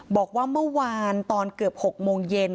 บอกว่าเมื่อวานตอนเกือบ๖โมงเย็น